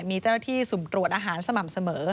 มีเจ้าหน้าที่สุ่มตรวจอาหารสม่ำเสมอ